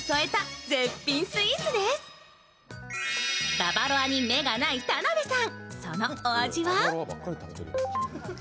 ババロアに目がない田辺さん。